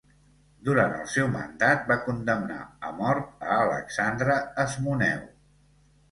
Durant el seu mandat, va condemnar a mort a Alexandre Asmoneu.